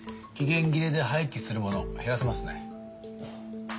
期限切れで廃棄するもの減らせますね。